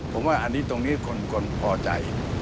ผมว่าอันนี้ตรงนี้คนพอใจ